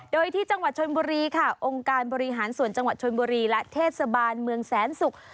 โดยที่จังหวัดชนบุรีค่ะองค์การบริหารส่วนจังหวัดชนบุรีและเทศบาลเมืองแสนศุกร์